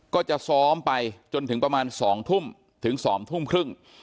ก็จะซ้อมไปจนถึงประมาณ๒ทุ่มถึง๒ทุ่มครึ่ง